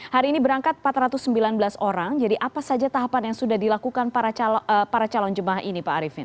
hari ini berangkat empat ratus sembilan belas orang jadi apa saja tahapan yang sudah dilakukan para calon jemaah ini pak arifin